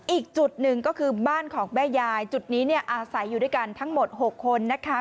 อีกจุดหนึ่งก็คือบ้านของแม่ยายจุดนี้เนี่ยอาศัยอยู่ด้วยกันทั้งหมด๖คนนะคะ